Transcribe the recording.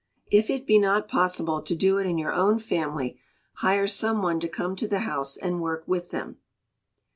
If it be not possible to do it in your own family, hire some one to come to the house and work with them.